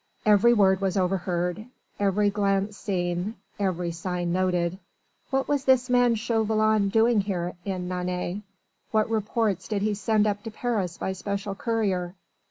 Every word was overheard, every glance seen, every sign noted. What was this man Chauvelin doing here in Nantes? What reports did he send up to Paris by special courier?